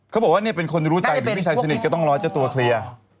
เขาบอกว่าเนี่ยเป็นคนรู้ใจหรือพี่ชายสนิทก็ต้องรอเจ้าตัวเคลียร์